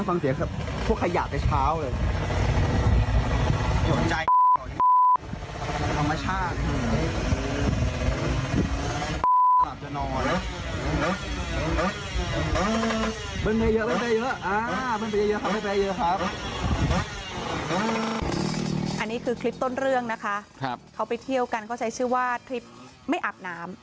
อันนี้คือคลิปต้นเรื่องนะคะเขาไปเที่ยวกันเขาใช้ชื่อว่าคลิปไม่อาบน้ำ